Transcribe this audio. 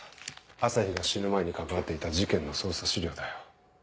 朝陽が死ぬ前に関わっていた事件の捜査資料だよ。